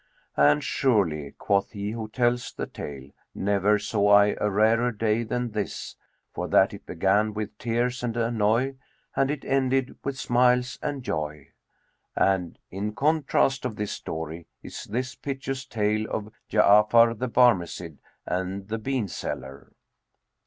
"And surely (quoth he who tells the tale[FN#223]) never saw I a rarer day than this, for that it began with tears and annoy; and it ended with smiles and joy." And in contrast of this story is this piteous tale of JA'AFAR THE BARMECIDE AND THE BEAN SELLER.